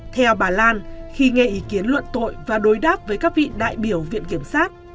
theo bà lan khi nghe ý kiến luận tội và đối đáp với các vị đại biểu viện kiểm sát